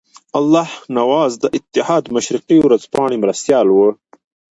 الله نواز د اتحاد مشرقي ورځپاڼې مرستیال وو.